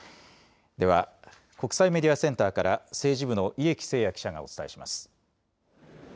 では国際メディアセンターから政治部の家喜誠也記者がお伝えします。